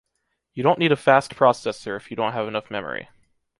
You don’t need a fast processor if you don’t have enough memory.